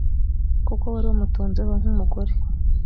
kuko wari wamutunzeho nk’umugore.